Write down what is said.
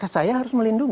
saya harus melindungi